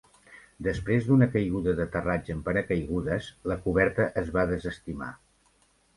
Després d'una caiguda d'aterratge amb paracaigudes, la coberta es va desestimar.